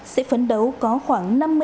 sẽ phấn đấu có khoảng năm mươi tám